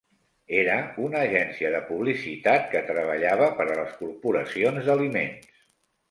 Era una agència de publicitat que treballava per a les corporacions d'aliments.